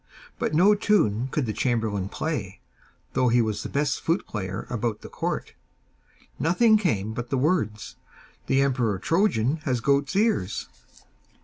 But no tune could the chamberlain play, though he was the best flute player about the court nothing came but the words, 'The Emperor Trojan has goat's ears.